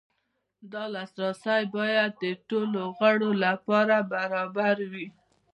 دا لاسرسی باید د ټولو غړو لپاره برابر وي.